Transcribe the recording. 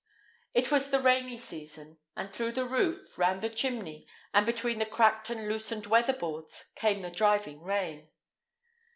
It was the rainy season, and through the roof, round the chimney, and between the cracked and loosened weather boards, came the driving rain.